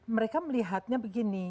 mereka melihatnya begini